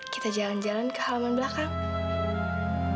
kita jalan jalan ke halaman belakang